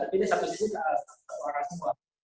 tapi dia satu sisi satu orang semua